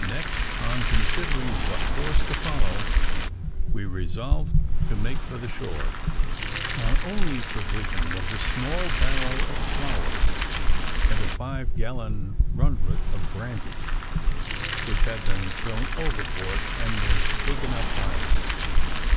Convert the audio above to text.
Next, on considering what course to follow, we resolved to make for the shore. Our only provision was a small barrel of flour, and a five gallon rundlet of brandy, which had been thrown overboard, and was taken up by us.